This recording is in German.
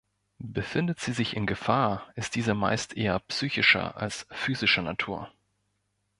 Befindet sie sich in Gefahr, ist diese meist eher psychischer als physischer Natur.